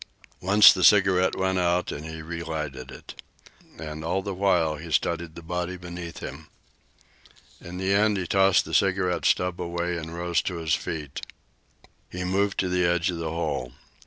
Once the cigarette went out and he relighted it. And all the while he studied the body beneath him. In the end he tossed the cigarette stub away and rose to his feet. He moved to the edge of the hole.